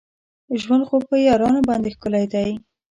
ژوند خو په یارانو باندې ښکلی دی.